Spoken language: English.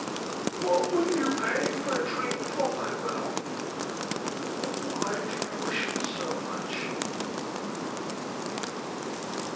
"What will you pay for a drink from my well, and why do you wish it so much?"